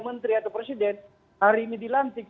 menteri atau presiden hari ini dilantik